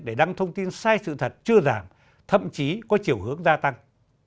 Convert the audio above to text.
để đăng thông tin sai sự thật chưa giảm thậm chí có chiều hướng gia tăng